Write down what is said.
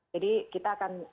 jadi kita akan